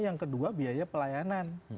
yang kedua biaya pelayanan